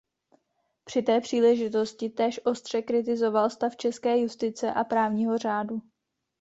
Při té příležitosti též ostře kritizoval stav české justice a právního řádu.